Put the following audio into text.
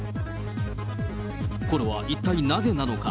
これは一体なぜなのか。